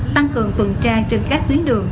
tăng cường phần tra trên các tuyến đường